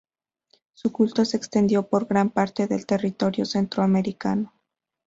Su culto se extendió por gran parte del territorio centroamericano.